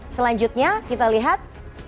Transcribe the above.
selanjutnya kita lihat